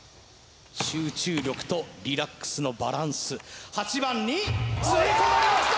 集中力とリラックスのバランス８番に吸い込まれました